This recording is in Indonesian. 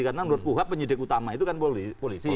karena menurut kuhab penyidik utama itu kan polisi